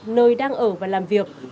nơi đang ở và làm việc